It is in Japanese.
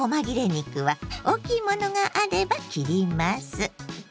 肉は大きいものがあれば切ります。